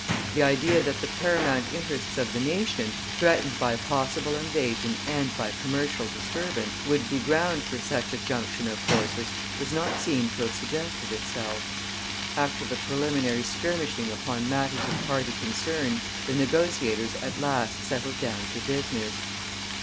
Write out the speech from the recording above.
The idea that the paramount interests of the nation, threatened by possible invasion and by commercial disturbance, would be ground for such a junction of forces does not seem to have suggested itself. After the preliminary skirmishing upon matters of party concern the negotiators at last settled down to business.